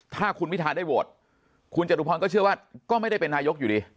ถ้าคุณวิทาได้โหวตคุณจตุพรก็เชื่อว่าก็ไม่ได้เป็นนายกอยู่ดี